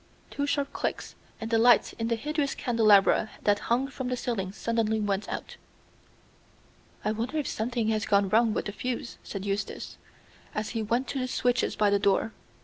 Two sharp clicks and the lights in the hideous candelabra that hung from the ceiling suddenly went out. "I wonder if something has gone wrong with the fuse," said Eustace, as he went to the switches by the door.